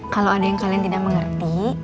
kalau ada yang kalian tidak mengerti